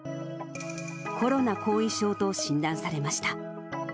コロナ後遺症と診断されました。